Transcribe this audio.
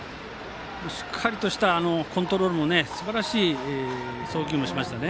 しっかりとしたコントロールすばらしい送球もしましたね。